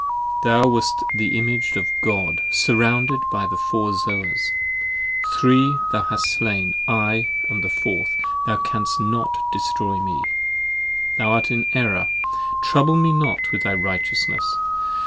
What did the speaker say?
Thou wast the Image of God surrounded by the Four Zoas. Three thou hast slain: I am the Fourth, thou canst not destroy me. 25 Thou art in Error; trouble me not with thy righteousness.